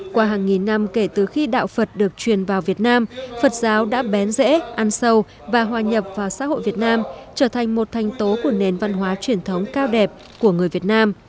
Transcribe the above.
qua hàng nghìn năm kể từ khi đạo phật được truyền vào việt nam phật giáo đã bén dễ ăn sâu và hòa nhập vào xã hội việt nam trở thành một thanh tố của nền văn hóa truyền thống cao đẹp của người việt nam